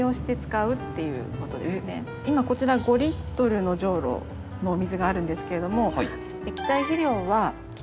今こちら５のじょうろのお水があるんですけれども。